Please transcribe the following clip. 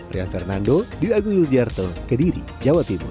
rian fernando diw agung yudhjarto kediri jawa timur